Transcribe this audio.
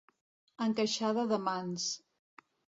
Encaixada de mans.